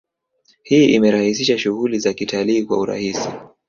Hii imerahisisha shughuli za kitalii kwa urahisi